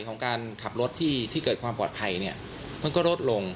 ของการขับรถที่เกิดความปลอดภัยเนี่ยมันก็ลดลง